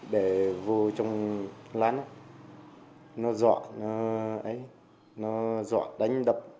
để vô trong lán á nó dọa nó ấy nó dọa đánh đập